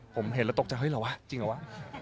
ผมเห็นแล้วตกใจเฮ้ยเหรอวะจริงเหรอวะ